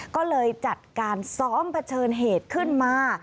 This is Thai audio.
ก็เลยจัดการซ้อมเผชิญเหตุขึ้นมา